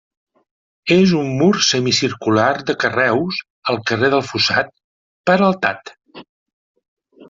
És un mur semicircular de carreus, al carrer del fossat, peraltat.